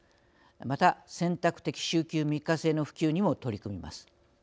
また、選択的週休３日制の普及にも取り組みます。